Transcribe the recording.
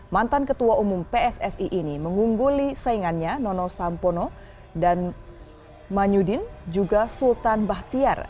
mantan ketua umum pssi ini mengungguli saingannya nono sampono dan manyudin juga sultan bahtiar